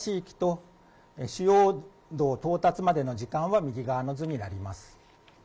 発表した地域と主揺動到達までの時間は右側の図になります。